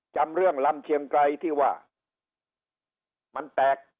จำเรื่องลำเชียงไกรที่ว่ามันแตก